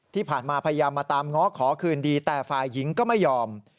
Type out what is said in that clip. ที่ผ่านมาพยายามมาตามง้อขอคืนดีแต่ฝ่ายหญิงก็ไม่ยอม